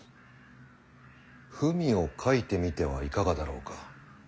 文を書いてみてはいかがだろうか。